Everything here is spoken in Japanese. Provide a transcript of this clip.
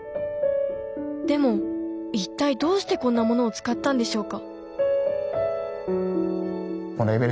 でも一体どうしてこんなものを使ったんでしょうか？